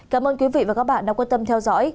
cảm ơn quý vị và các bạn đã quan tâm theo dõi